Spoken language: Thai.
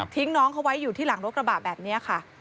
ทิ้งน้องเขาร์ไว้อยู่ที่รถกระบะแบบนี้ค่ะ